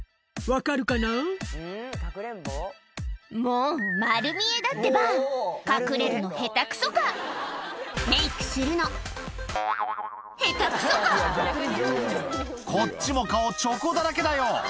もうまる見えだってば隠れるのヘタくそか⁉メイクするのヘタくそか⁉こっちも顔チョコだらけだよ